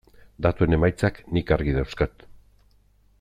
Datuen emaitzak nik argi dauzkat.